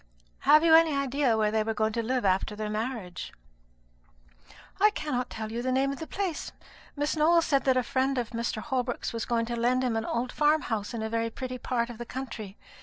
"Have you any idea where they were going to live after their marriage?" "I cannot tell you the name of the place. Miss Nowell said that a friend of Mr. Holbrook's was going to lend him an old farm house in a very pretty part of the country.